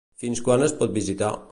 Fins quan es pot visitar?